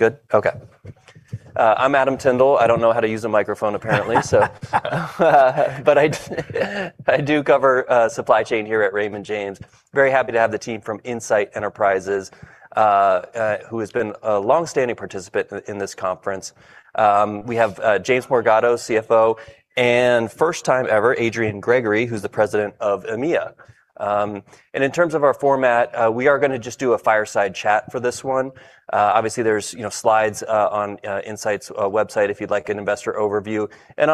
Good? Okay. I'm Adam Tindall. I don't know how to use a microphone, apparently. I do cover supply chain here at Raymond James. Very happy to have the team from Insight Enterprises, who has been a longstanding participant in this conference. We have James Morgado, CFO, and first time ever, Adrian Gregory, who's the President of EMEA. In terms of our format, we are gonna just do a fireside chat for this one. Obviously, there's, you know, slides on Insight's website if you'd like an investor overview. I'm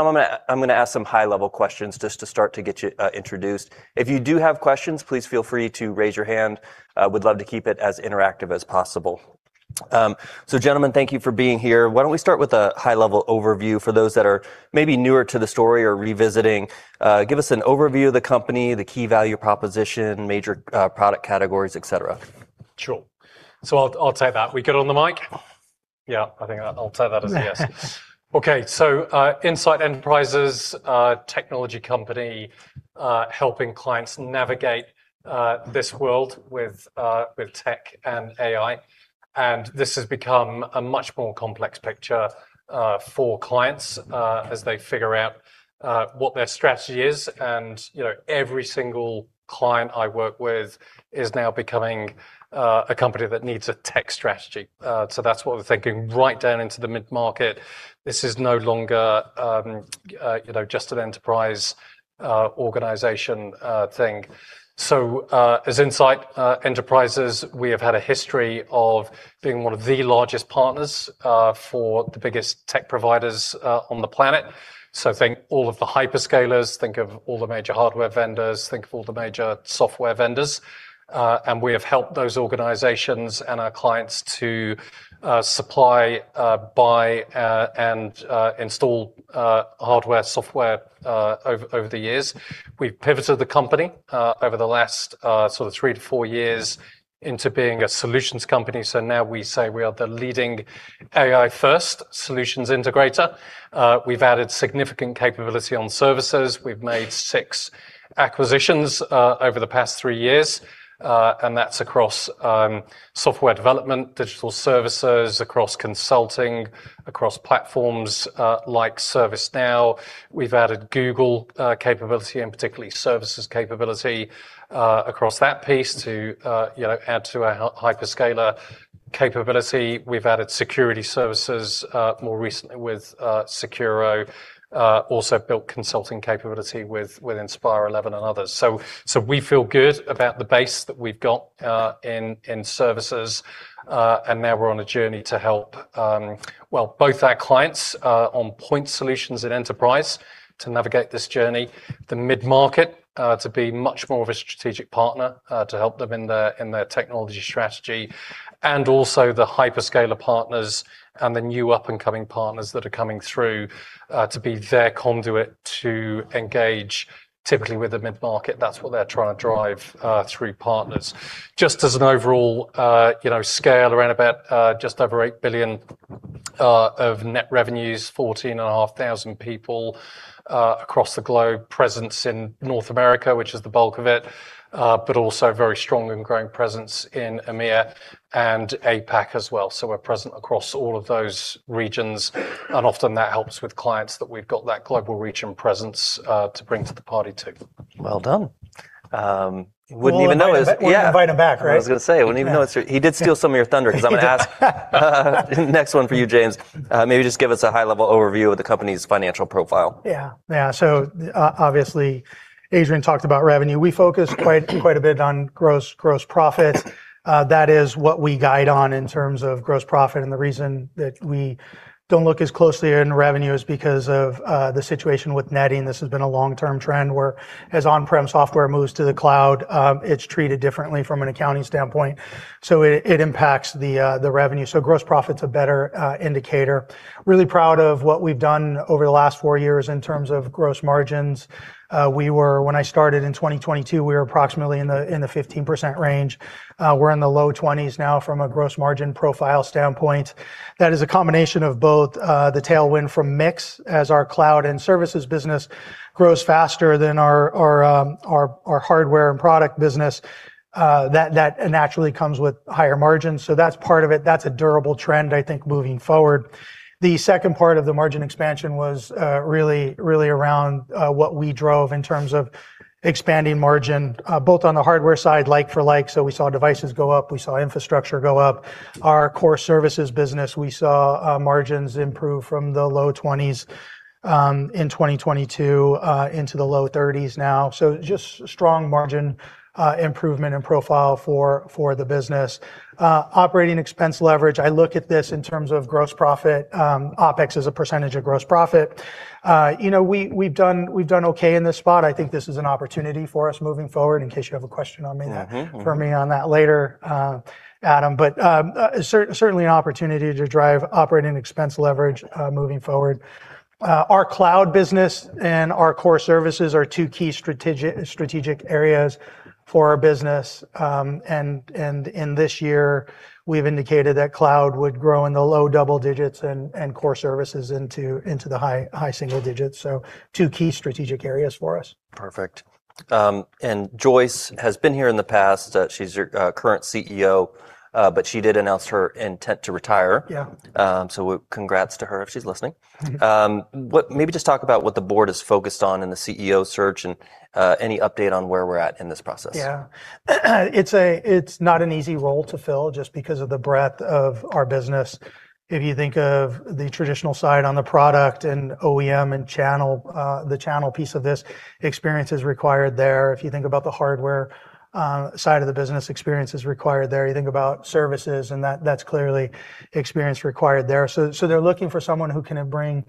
gonna ask some high-level questions just to start to get you introduced. If you do have questions, please feel free to raise your hand. We'd love to keep it as interactive as possible. Gentlemen, thank you for being here. Why don't we start with a high-level overview for those that are maybe newer to the story or revisiting. Give us an overview of the company, the key value proposition, major product categories, et cetera. Sure. I'll take that. We good on the mic? Yeah, I think I'll take that as a yes. Okay. Insight Enterprises, a technology company, helping clients navigate this world with tech and AI. This has become a much more complex picture for clients as they figure out what their strategy is. You know, every single client I work with is now becoming a company that needs a tech strategy. That's what we're thinking right down into the mid-market. This is no longer, you know, just an enterprise organization thing. As Insight Enterprises, we have had a history of being one of the largest partners for the biggest tech providers on the planet. Think all of the hyperscalers, think of all the major hardware vendors, think of all the major software vendors, and we have helped those organizations and our clients to supply, buy, and install hardware, software over the years. We've pivoted the company over the last three to four years into being a solutions company. Now we say we are the leading AI-first solutions integrator. We've added significant capability on services. We've made six acquisitions over the past three years, and that's across software development, digital services, across consulting, across platforms, like ServiceNow. We've added Google capability and particularly services capability across that piece to, you know, add to our hyperscaler capability. We've added security services, more recently with Sekuro, also built consulting capability with Inspire11 and others. We feel good about the base that we've got in services. Now we're on a journey to help, well, both our clients on point solutions and enterprise to navigate this journey, the mid-market, to be much more of a strategic partner, to help them in their technology strategy, also the hyperscaler partners and the new up-and-coming partners that are coming through, to be their conduit to engage typically with the mid-market. That's what they're trying to drive through partners. Just as an overall, you know, scale around about just over $8 billion of net revenues, 14,500 people across the globe, presence in North America, which is the bulk of it, but also very strong and growing presence in EMEA and APAC as well. We're present across all of those regions. Often that helps with clients that we've got that global reach and presence to bring to the party too. Well done. wouldn't even know. We'll invite him, we'll invite him back, right? Yeah. I was gonna say, wouldn't even know it. He did steal some of your thunder. I'm gonna ask next one for you, James. Maybe just give us a high-level overview of the company's financial profile. Yeah. Yeah. Obviously, Adrian talked about revenue. We focus quite a bit on gross profit. That is what we guide on in terms of gross profit. The reason that we don't look as closely in revenue is because of the situation with net. This has been a long-term trend where as on-prem software moves to the cloud, it's treated differently from an accounting standpoint. It impacts the revenue. Gross profit's a better indicator. Really proud of what we've done over the last four years in terms of gross margins. When I started in 2022, we were approximately in the 15% range. We're in the low 20s now from a gross margin profile standpoint. That is a combination of both, the tailwind from mix as our cloud and services business grows faster than our hardware and product business, that naturally comes with higher margins. That's part of it. That's a durable trend, I think, moving forward. The second part of the margin expansion was really around what we drove in terms of expanding margin, both on the hardware side, like for like. We saw devices go up, we saw infrastructure go up. Our core services business, we saw margins improve from the low 20s in 2022 into the low 30s now. Just strong margin improvement and profile for the business. Operating expense leverage, I look at this in terms of gross profit, OpEx as a percentage of gross profit. You know, we've done okay in this spot. I think this is an opportunity for us moving forward, in case you have a question on me... Mm-hmm. Mm-hmm. For me on that later, Adam. certainly an opportunity to drive operating expense leverage, moving forward. Our cloud business and our core services are two key strategic areas for our business, and in this year, we've indicated that cloud would grow in the low double digits and core services into the high single digits. Two key strategic areas for us. Perfect. Joyce has been here in the past. She's your current CEO, but she did announce her intent to retire. Yeah. Congrats to her if she's listening. Mm-hmm. Maybe just talk about what the board is focused on in the CEO search and any update on where we're at in this process? Yeah. It's not an easy role to fill just because of the breadth of our business. If you think of the traditional side on the product and OEM and channel, the channel piece of this, experience is required there. If you think about the hardware side of the business, experience is required there. You think about services, and that's clearly experience required there. They're looking for someone who can bring,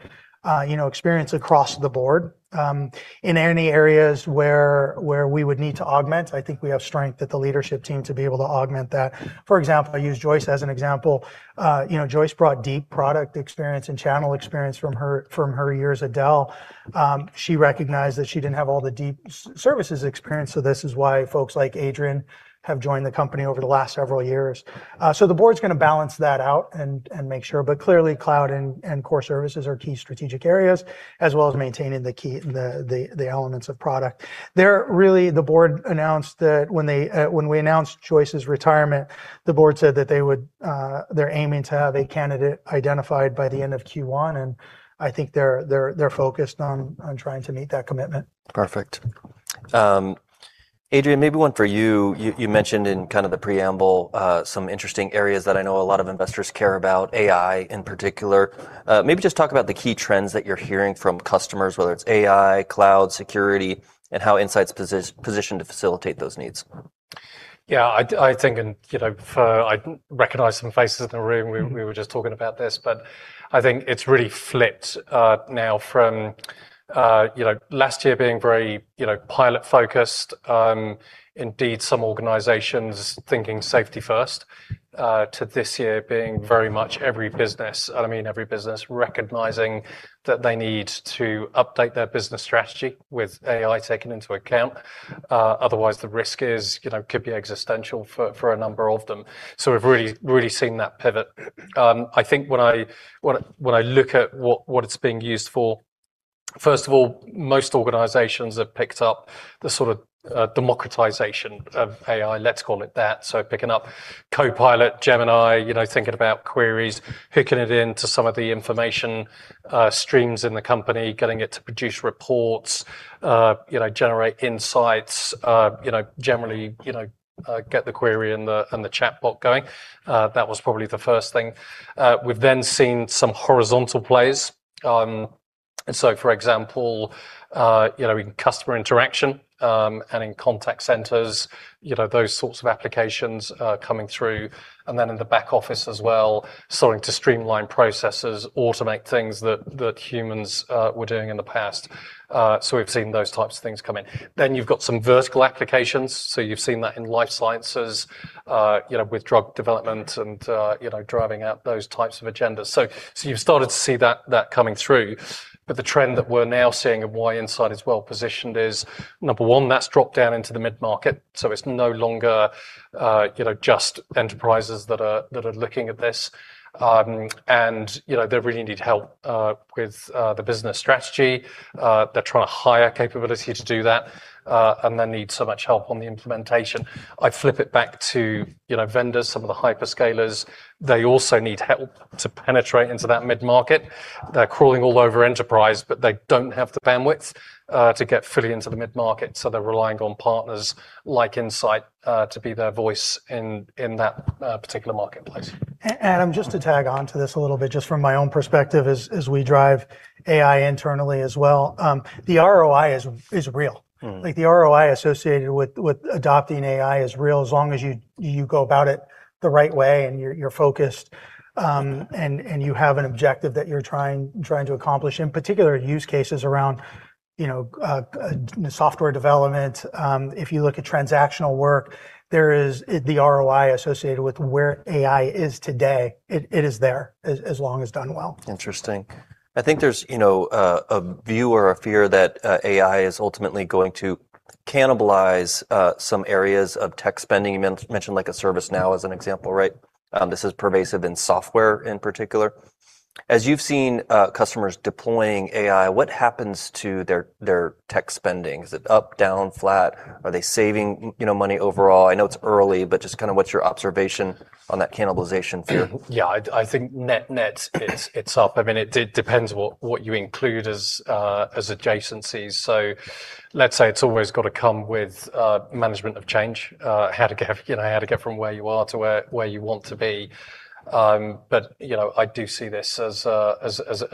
you know, experience across the board. In any areas where we would need to augment, I think we have strength at the leadership team to be able to augment that. For example, I use Joyce as an example. You know, Joyce brought deep product experience and channel experience from her years at Dell. She recognized that she didn't have all the deep services experience, this is why folks like Adrian have joined the company over the last several years. The board's gonna balance that out and make sure. Clearly, cloud and core services are key strategic areas, as well as maintaining the elements of product. The board announced that when they, when we announced Joyce's retirement, the board said that they would, they're aiming to have a candidate identified by the end of Q1, and I think they're focused on trying to meet that commitment. Perfect. Adrian, maybe one for you. You mentioned in kind of the preamble, some interesting areas that I know a lot of investors care about, AI in particular. Maybe just talk about the key trends that you're hearing from customers, whether it's AI, cloud, security, and how Insight's positioned to facilitate those needs. Yeah, I think, you know, I recognize some faces in the room. We were just talking about this. I think it's really flipped now from, you know, last year being very, you know, pilot-focused, indeed some organizations thinking safety first, to this year being very much every business, and I mean every business recognizing that they need to update their business strategy with AI taken into account. Otherwise the risk is, you know, could be existential for a number of them. We've really seen that pivot. I think when I look at what it's being used for, first of all, most organizations have picked up the sort of democratization of AI, let's call it that. Picking up Copilot, Gemini, you know, thinking about queries, hooking it into some of the information, streams in the company, getting it to produce reports, you know, generate insights, you know, generally, you know, get the query and the chatbot going. That was probably the first thing. For example, you know, in customer interaction, and in contact centers, you know, those sorts of applications, coming through. Then in the back office as well, starting to streamline processes, automate things that humans were doing in the past. We've seen those types of things come in. You've got some vertical applications, so you've seen that in life sciences, you know, with drug development and, you know, driving out those types of agendas. You've started to see that coming through. The trend that we're now seeing and why Insight is well positioned is, number one, that's dropped down into the mid-market. It's no longer, you know, just enterprises that are looking at this. You know, they really need help with the business strategy. They're trying to hire capability to do that, and they need so much help on the implementation. I flip it back to, you know, vendors, some of the hyperscalers, they also need help to penetrate into that mid-market. They're crawling all over enterprise, but they don't have the bandwidth to get fully into the mid-market, so they're relying on partners like Insight to be their voice in that particular marketplace. Adam, just to tag on to this a little bit, just from my own perspective as we drive AI internally as well. The ROI is real. Mm. Like the ROI associated with adopting AI is real, as long as you go about it the right way and you're focused, and you have an objective that you're trying to accomplish. In particular, use cases around, you know, software development. If you look at transactional work, there is the ROI associated with where AI is today. It is there as long as done well. Interesting. I think there's, you know, a view or a fear that AI is ultimately going to cannibalize some areas of tech spending. You mentioned like a ServiceNow as an example, right? This is pervasive in software in particular. As you've seen customers deploying AI, what happens to their tech spending? Is it up, down, flat? Are they saving, you know, money overall? I know it's early, but just kinda what's your observation on that cannibalization theory? Yeah, I think net-net, it's up. I mean, it depends what you include as adjacencies. Let's say it's always gotta come with management of change, how to get, you know, how to get from where you are to where you want to be. You know, I do see this as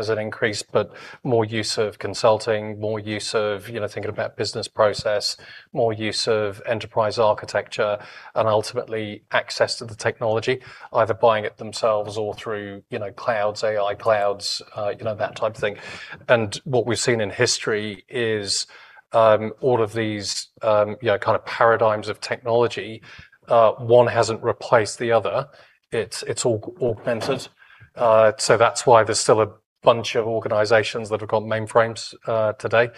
an increase, but more use of consulting, more use of, you know, thinking about business process, more use of enterprise architecture, and ultimately access to the technology, either buying it themselves or through, you know, clouds, AI clouds, that type of thing. What we've seen in history is, all of these, you know, kind of paradigms of technology, one hasn't replaced the other. It's all augmented. That's why there's still a bunch of organizations that have got mainframes today.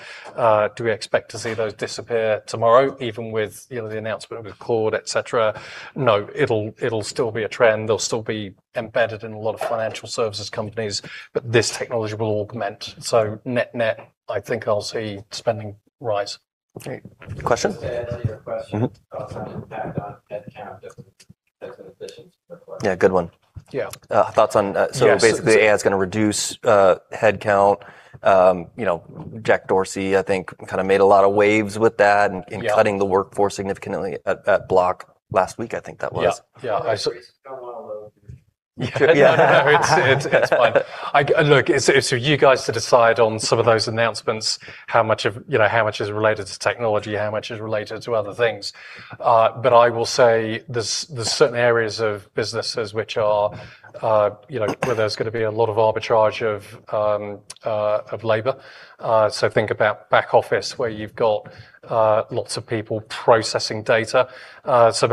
Do we expect to see those disappear tomorrow, even with, you know, the announcement of Claude, et cetera? It'll still be a trend. They'll still be embedded in a lot of financial services companies, but this technology will augment. Net-net, I think I'll see spending rise. Okay. Question? Just to answer your question. Mm-hmm... about the impact on headcount as an efficiency play. Yeah, good one. Yeah. Thoughts on. Yes Basically AI's gonna reduce, headcount. You know, Jack Dorsey, I think kinda made a lot of waves with that. Yeah in cutting the workforce significantly at Block last week, I think that was. Yeah. Yeah. It's going well, though. Yeah. No, it's, it's fine. I look, it's for you guys to decide on some of those announcements, how much of, you know, how much is related to technology, how much is related to other things. I will say there's certain areas of businesses which are, you know, where there's gonna be a lot of arbitrage of labor. Think about back office, where you've got lots of people processing data.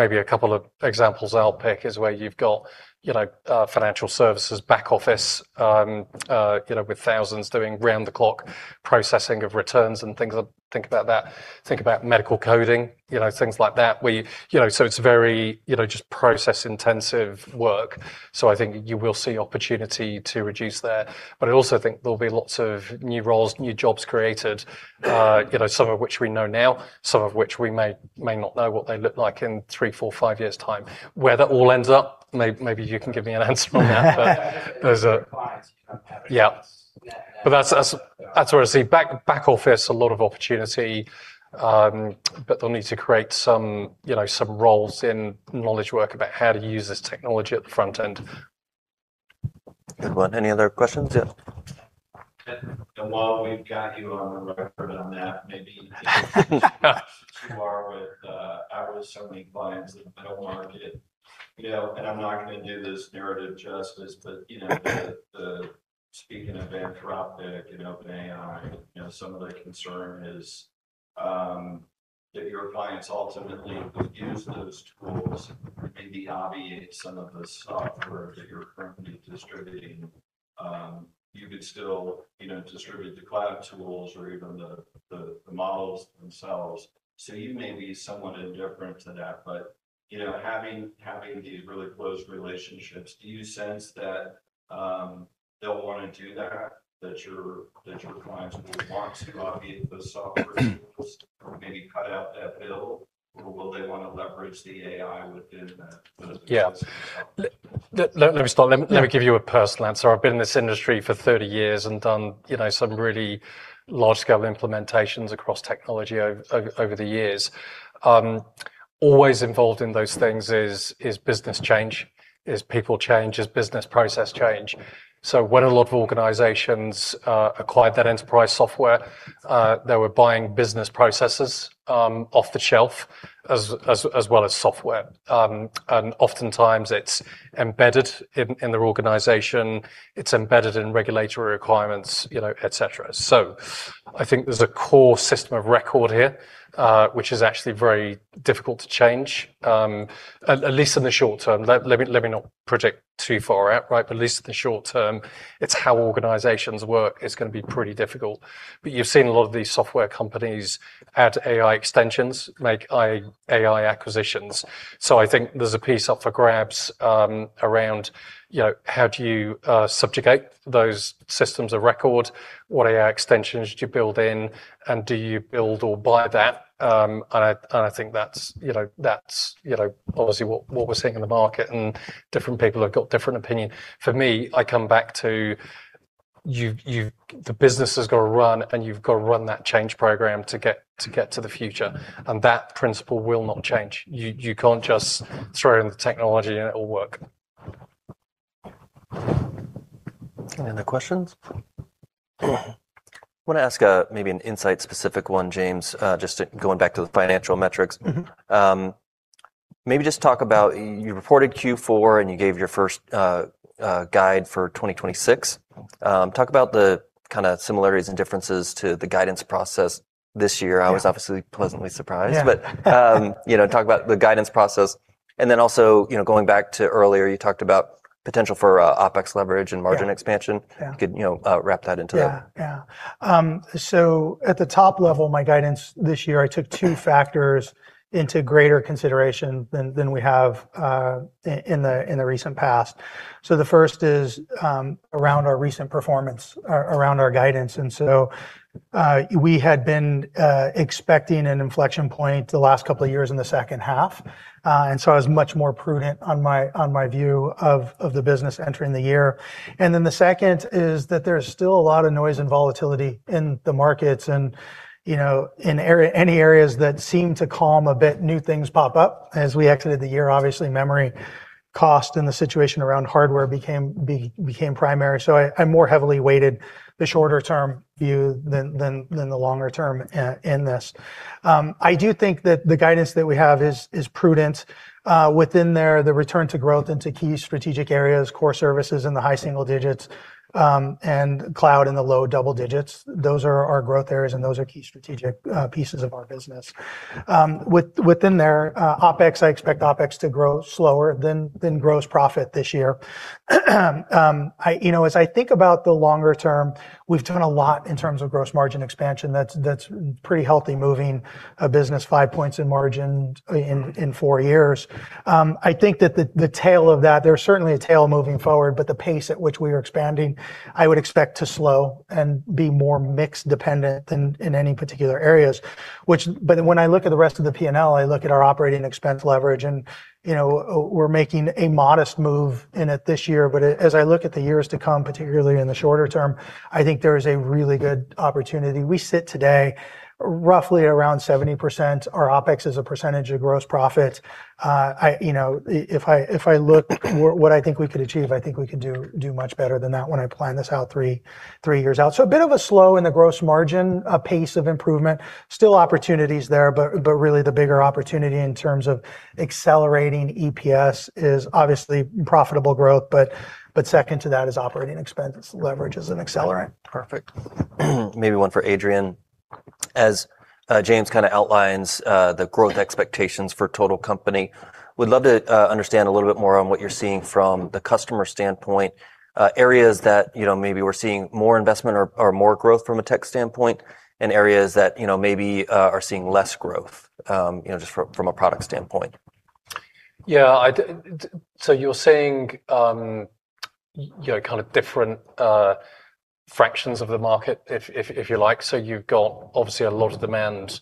Maybe a couple of examples I'll pick is where you've got, you know, financial services back office, you know, with thousands doing round-the-clock processing of returns and things like. Think about that. Think about medical coding, you know, things like that where you. You know, so it's very, you know, just process-intensive work. I think you will see opportunity to reduce there. I also think there'll be lots of new roles, new jobs created, you know, some of which we know now, some of which we may not know what they look like in three, four, five years' time. Where that all ends up, maybe you can give me an answer on that? There's a- Clients, you know. Yeah. That's where I see back office, a lot of opportunity. They'll need to create some, you know, some roles in knowledge work about how to use this technology at the front end. Good one. Any other questions? Yeah. While we've got you on the record on that, you are with out with so many clients in the federal market, you know, and I'm not gonna do this narrative justice, but, you know, speaking of philanthropic and open AI, you know, some of the concern is that your clients ultimately would use those tools and maybe obviate some of the software that you're currently distributing. You could still, you know, distribute the cloud tools or even the models themselves. You may be somewhat indifferent to that, but, you know, having these really close relationships, do you sense that they'll wanna do that your clients will want to obviate the software or maybe cut out that bill? Will they wanna leverage the AI within that, those existing software? Yeah. Let me start. Let me give you a personal answer. I've been in this industry for 30 years and done, you know, some really large scale implementations across technology over the years. Always involved in those things is business change, is people change, is business process change. When a lot of organizations acquired that enterprise software, they were buying business processes off the shelf as well as software. Oftentimes it's embedded in their organization. It's embedded in regulatory requirements, you know, et cetera. I think there's a core system of record here, which is actually very difficult to change at least in the short term. Let me not project too far out, right? At least in the short term, it's how organizations work. It's gonna be pretty difficult. You've seen a lot of these software companies add AI extensions, make AI acquisitions. I think there's a piece up for grabs, around, you know, how do you subjugate those systems of record? What AI extensions do you build in, and do you build or buy that? I think that's, you know, that's, you know, obviously what we're seeing in the market, and different people have got different opinion. For me, I come back to you've the business has gotta run, and you've gotta run that change program to get, to get to the future, and that principle will not change. You, you can't just throw in the technology and it'll work. Any other questions? Wanna ask a, maybe an Insight specific one, James, going back to the financial metrics. Mm-hmm. Maybe just talk about, you reported Q4, and you gave your first guide for 2026. Talk about the kinda similarities and differences to the guidance process this year. Yeah. I was obviously pleasantly surprised. Yeah. You know, talk about the guidance process. Also, you know, going back to earlier, you talked about potential for OpEx leverage and margin expansion. Yeah. Could, you know, wrap that into that? Yeah. Yeah. At the top level, my guidance this year, I took two factors into greater consideration than we have in the recent past. The first is around our recent performance around our guidance. We had been expecting an inflection point the last couple of years in the second half. I was much more prudent on my view of the business entering the year. The second is that there's still a lot of noise and volatility in the markets and, you know, in any areas that seem to calm a bit, new things pop up. As we exited the year, obviously memory cost and the situation around hardware became primary. I more heavily weighted the shorter term view than the longer term in this. I do think that the guidance that we have is prudent. Within there, the return to growth into key strategic areas, core services in the high single digits, and cloud in the low double digits. Those are our growth areas, and those are key strategic pieces of our business. Within their OpEx, I expect OpEx to grow slower than gross profit this year. You know, as I think about the longer term, we've done a lot in terms of gross margin expansion. That's pretty healthy, moving a business 5 points in margin in four years. I think that the tail of that, there's certainly a tail moving forward, but the pace at which we are expanding, I would expect to slow and be more mix dependent than in any particular areas. When I look at the rest of the P&L, I look at our operating expense leverage and, you know, we're making a modest move in it this year. As I look at the years to come, particularly in the shorter term, I think there is a really good opportunity. We sit today roughly around 70%. Our OpEx is a % of gross profit. You know, if I look what I think we could achieve, I think we could do much better than that when I plan this out 3 years out. A bit of a slow in the gross margin pace of improvement. Still opportunities there, but really the bigger opportunity in terms of accelerating EPS is obviously profitable growth, but second to that is operating expense leverage as an accelerant. Perfect. Maybe one for Adrian. As James kind of outlines the growth expectations for total company, would love to understand a little bit more on what you're seeing from the customer standpoint, areas that, you know, maybe we're seeing more investment or more growth from a tech standpoint, and areas that, you know, maybe are seeing less growth, you know, just from a product standpoint. Yeah. So you're seeing, you know, kind of different fractions of the market if you like. You've got obviously a lot of demand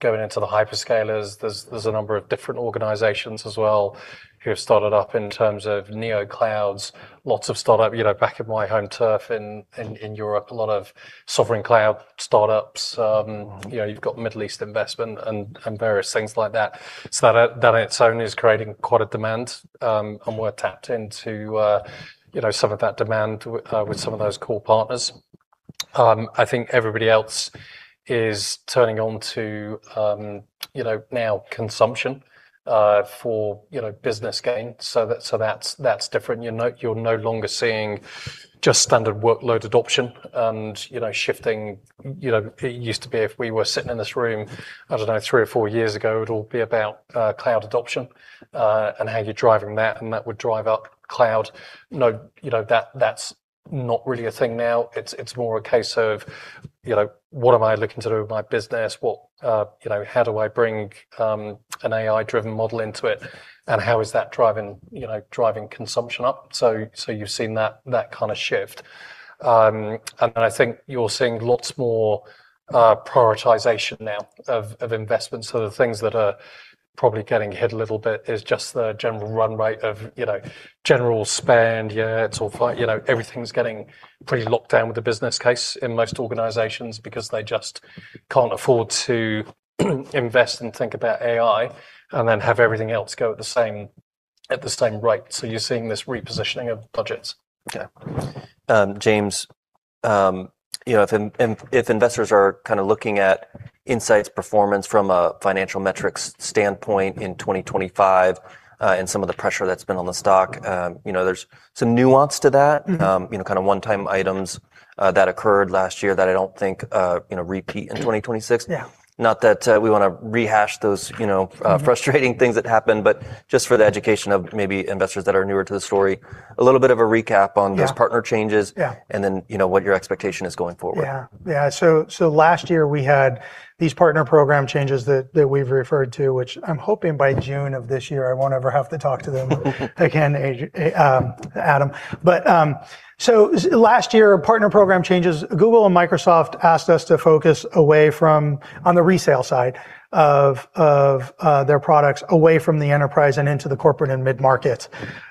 going into the hyperscalers. There's a number of different organizations as well who have started up in terms of neoclouds. Lots of startup, you know, back at my home turf in Europe. A lot of sovereign cloud startups. You know, you've got Middle East investment and various things like that. That in its own is creating quite a demand, and we're tapped into, you know, some of that demand with some of those core partners. I think everybody else is turning on to, you know, now consumption for, you know, business gain. That's different. You're no longer seeing just standard workload adoption and, you know, shifting. You know, it used to be, if we were sitting in this room, I don't know, three or four years ago, it'll be about cloud adoption and how you're driving that, and that would drive up cloud. No, you know, that's not really a thing now. It's more a case of, you know, what am I looking to do with my business? What, you know, how do I bring an AI-driven model into it, and how is that driving, you know, driving consumption up? You've seen that kind of shift. Then I think you're seeing lots more prioritization now of investments. The things that are probably getting hit a little bit is just the general run rate of, you know, general spend. Yeah, it's all quite, you know, everything's getting pretty locked down with the business case in most organizations because they just can't afford to invest and think about AI and then have everything else go at the same rate. You're seeing this repositioning of budgets. Okay. James, you know, if investors are kind of looking at Insight's performance from a financial metrics standpoint in 2025, and some of the pressure that's been on the stock, you know, there's some nuance to that. Mm-hmm. You know, kind of one-time items that occurred last year that I don't think, you know, repeat in 2026. Yeah. Not that, we wanna rehash those, you know... Mm-hmm... frustrating things that happened, but just for the education of maybe investors that are newer to the story, a little bit of a recap. Yeah... those partner changes. Yeah. You know, what your expectation is going forward. Yeah. So last year we had these partner program changes that we've referred to, which I'm hoping by June of this year I won't ever have to talk to them again, Adam. Last year, partner program changes. Google and Microsoft asked us to focus away from on the resale side of their products, away from the enterprise and into the corporate and mid-markets.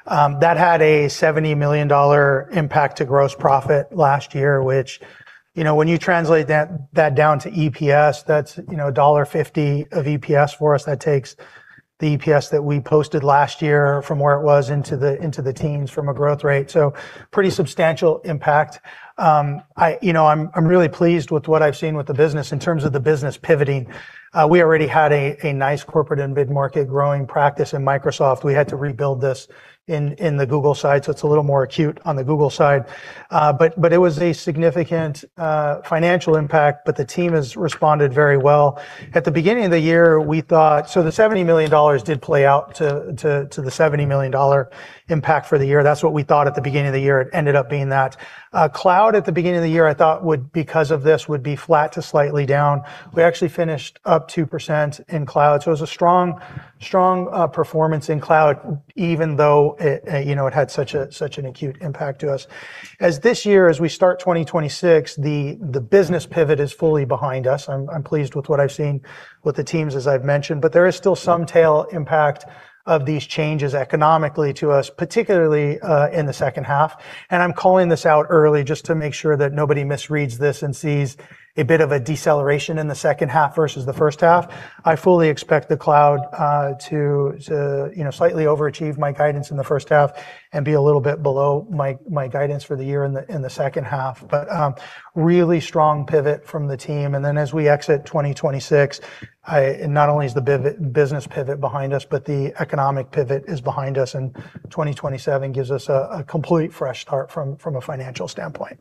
That had a $70 million impact to gross profit last year, which, you know, when you translate that down to EPS, that's, you know, $1.50 of EPS for us. The EPS that we posted last year from where it was into the teams from a growth rate. Pretty substantial impact. I, you know, I'm really pleased with what I've seen with the business. In terms of the business pivoting, we already had a nice corporate and mid-market growing practice in Microsoft. We had to rebuild this in the Google side, so it's a little more acute on the Google side. It was a significant financial impact, but the team has responded very well. At the beginning of the year we thought... The $70 million did play out to the $70 million impact for the year. That's what we thought at the beginning of the year. It ended up being that. Cloud at the beginning of the year I thought because of this would be flat to slightly down. We actually finished up 2% in cloud. It was a strong performance in cloud even though it, you know, it had such a, such an acute impact to us. As this year as we start 2026, the business pivot is fully behind us. I'm pleased with what I've seen with the teams, as I've mentioned, but there is still some tail impact of these changes economically to us, particularly in the second half. I'm calling this out early just to make sure that nobody misreads this and sees a bit of a deceleration in the second half versus the first half. I fully expect the cloud to, you know, slightly overachieve my guidance in the first half and be a little bit below my guidance for the year in the, in the second half. Really strong pivot from the team. As we exit 2026, Not only is the business pivot behind us, but the economic pivot is behind us, and 2027 gives us a complete fresh start from a financial standpoint.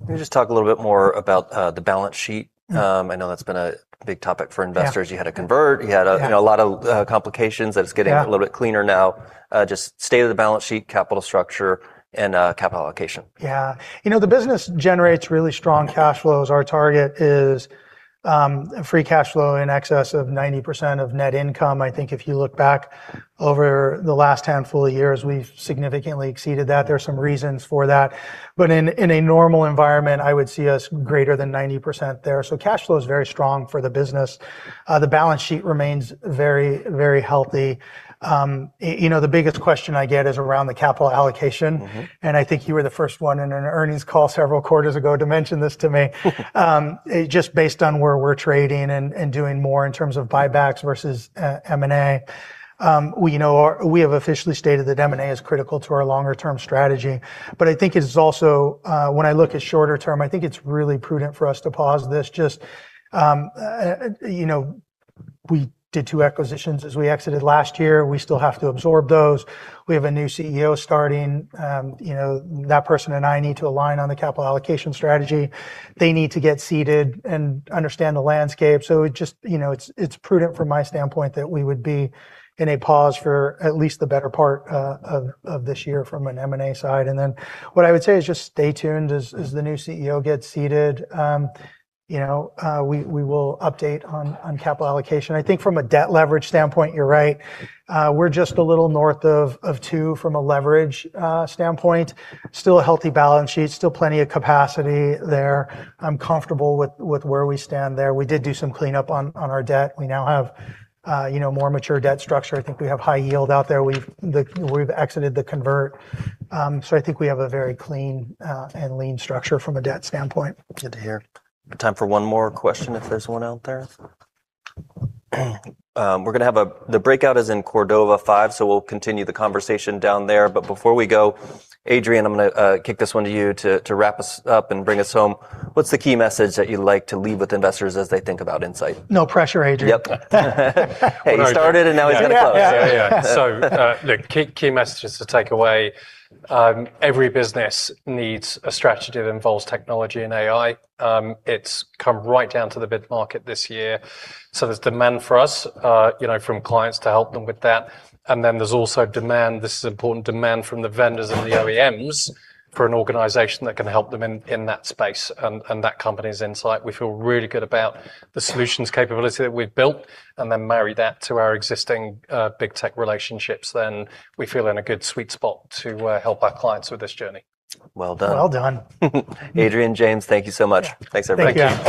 Let me just talk a little bit more about the balance sheet. Mm. I know that's been a big topic for investors. Yeah. You had to convert. Yeah. You had a, you know, a lot of complications- Yeah... that it's getting a little bit cleaner now. Just state of the balance sheet, capital structure and capital allocation. You know, the business generates really strong cash flows. Our target is free cash flow in excess of 90% of net income. I think if you look back over the last handful of years, we've significantly exceeded that. There are some reasons for that. In a normal environment, I would see us greater than 90% there. Cash flow is very strong for the business. The balance sheet remains very, very healthy. You know, the biggest question I get is around the capital allocation. Mm-hmm. I think you were the first one in an earnings call several quarters ago to mention this to me. Just based on where we're trading and doing more in terms of buybacks versus M&A, we know, we have officially stated that M&A is critical to our longer term strategy. I think it is also, when I look at shorter term, I think it's really prudent for us to pause this. Just, you know, we did two acquisitions as we exited last year. We still have to absorb those. We have a new CEO starting. You know, that person and I need to align on the capital allocation strategy. They need to get seated and understand the landscape, so it just... You know, it's prudent from my standpoint that we would be in a pause for at least the better part of this year from an M&A side. What I would say is just stay tuned. Mm... as the new CEO gets seated. you know, we will update on capital allocation. I think from a debt leverage standpoint, you're right. We're just a little north of two from a leverage standpoint. Still a healthy balance sheet. Still plenty of capacity there. I'm comfortable with where we stand there. We did do some cleanup on our debt. We now have, you know, more mature debt structure. I think we have high yield out there. We've exited the convert. I think we have a very clean, and lean structure from a debt standpoint. Good to hear. Time for one more question if there's one out there. The breakout is in Cordova Five, we'll continue the conversation down there. Before we go, Adrian, I'm gonna kick this one to you to wrap us up and bring us home. What's the key message that you'd like to leave with investors as they think about Insight? No pressure, Adrian. Yep. He started it, now he's gonna close. Yeah. Yeah. The key messages to take away, every business needs a strategy that involves technology and AI. It's come right down to the mid-market this year, so there's demand for us, you know, from clients to help them with that. There's also demand, this is important, demand from the vendors and the OEMs for an organization that can help them in that space and that company's Insight. We feel really good about the solutions capability that we've built and then marry that to our existing, big tech relationships. We feel in a good sweet spot to help our clients with this journey. Well done. Well done. Adrian, James, thank you so much. Yeah. Thanks, everybody. Thank you.